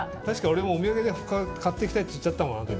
確かに俺もお土産で買っていきたいって言っちゃったもん。